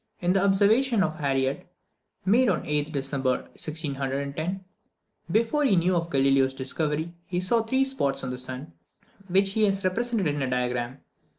In the observation of Harriot, made on the 8th December 1610, before he knew of Galileo's discovery, he saw three spots on the sun, which he has represented in a diagram.